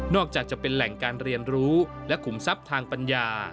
จากจะเป็นแหล่งการเรียนรู้และขุมทรัพย์ทางปัญญา